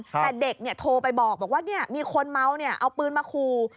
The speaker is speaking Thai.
แต่เด็กเนี่ยโทรไปบอกว่าเนี่ยมีคนเมาเนี่ยเอาปืนมาคูล